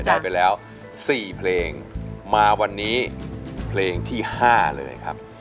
ได้ไปแล้ว๔เพลงมาวันนี้เพลงที่๕เลยครับ